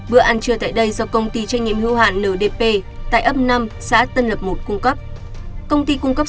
bữa ăn trưa tại đây do công ty tranh nghiệm hữu hạng ndp tại ấp năm xã tân lập một cung cấp